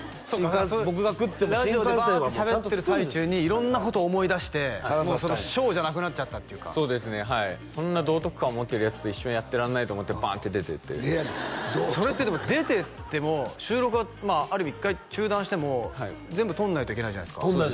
僕が食っても新幹線はラジオでバーッてしゃべってる最中に色んなことを思い出してもうショーじゃなくなっちゃったっていうかそうですねはいこんな道徳観を持ってるヤツと一緒にやってらんないと思ってバーンって出ていってそれってでも出てっても収録はある意味一回中断しても全部とんないといけないじゃないですか